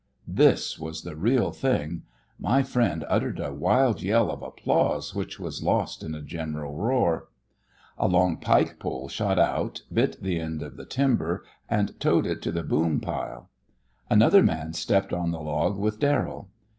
This was the real thing. My friend uttered a wild yell of applause which was lost in a general roar. A long pike pole shot out, bit the end of the timber, and towed it to the boom pile. Another man stepped on the log with Darrell.